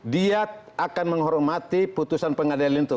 dia akan menghormati putusan pengadilan itu